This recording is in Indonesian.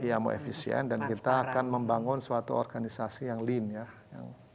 iya mau efisien dan kita akan membangun suatu organisasi yang lean ya